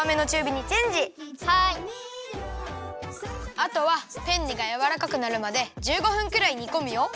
あとはペンネがやわらかくなるまで１５分くらいにこむよ。